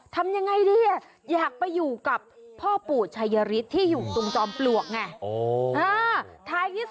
ทำยังไงดี